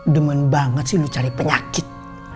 demen banget sih lu cari penyakit